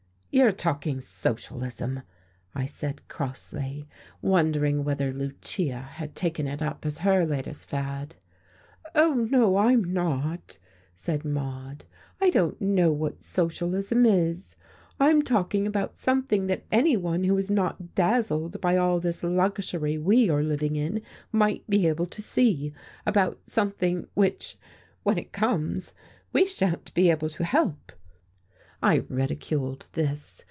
"You're talking Socialism," I said crossly, wondering whether Lucia had taken it up as her latest fad. "Oh, no, I'm not," said Maude, "I don't know what Socialism is. I'm talking about something that anyone who is not dazzled by all this luxury we are living in might be able to see, about something which, when it comes, we shan't be able to help." I ridiculed this.